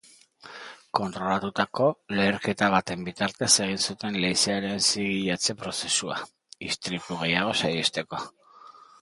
Kontrolatutako leherketa baten bitartez egin zuten leizearen zigilatze prozesua, istripu gehiago saihesteko.